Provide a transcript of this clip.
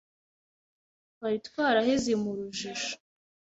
Twari twaraheze mu rujijo